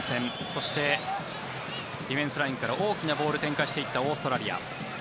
そして、ディフェンスラインから大きなボールを展開していったオーストラリア。